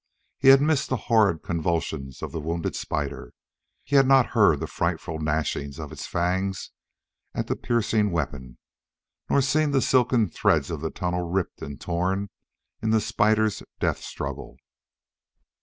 He had missed the horrid convulsions of the wounded spider; he had not heard the frightful gnashings of its fangs at the piercing weapon, nor seen the silken threads of the tunnel ripped and torn in the spider's death struggle.